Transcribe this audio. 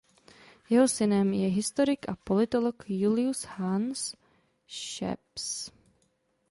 Jeho synem je historik a politolog Julius Hans Schoeps.